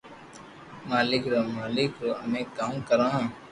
مالڪ رو مالڪ رو امي ڪاو ڪرو